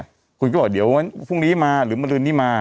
คุณก็บอกเหมาะเดี๋ยววันพรุงนี้มาหรือเมื่อนึนนี้มา